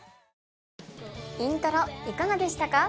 『イントロ』いかがでしたか？